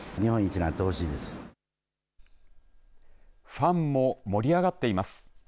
ファンも盛り上がっています。